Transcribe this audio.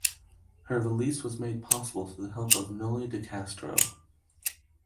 Her release was made possible through the help of Noli de Castro.